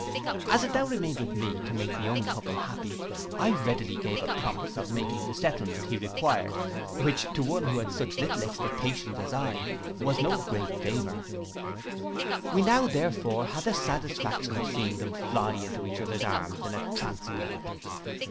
As it now remained with me to make the young couple happy, I readily gave a promise of making the settlement he required, which, to one who had such little expectations as I, was no great favour. We had now therefore the satisfaction of seeing them fly into each other's arms in a transport.